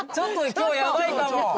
今日ヤバいかも僕。